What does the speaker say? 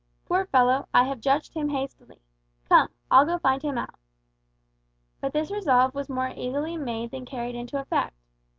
Poor fellow, I have judged him hastily. Come! I'll go find him out." But this resolve was more easily made than carried into effect.